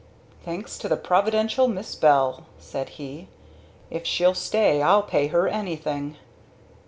"Thanks to the Providential Miss Bell," said he. "If she'll stay I'll pay her anything!"